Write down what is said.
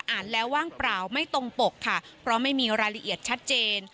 อ่านแล้วว่างเปล่าไม่ตรงปกค่ะเพราะไม่มีรายละเอียดชัดเจน